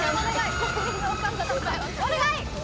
お願い！